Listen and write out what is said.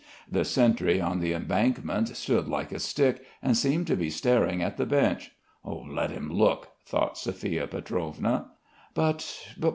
The sentry on the embankment stood like a stick and seemed to be staring at the bench. "Let him look!" thought Sophia Pietrovna. "But